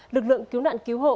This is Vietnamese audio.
lực lượng cứu nạn cứu hộ